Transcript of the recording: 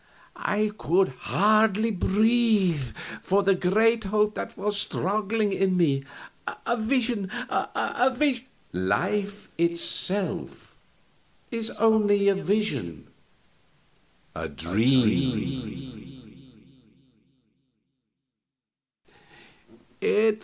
I could hardly breathe for the great hope that was struggling in me. "A vision? a vi " "_Life itself is only a vision, a dream.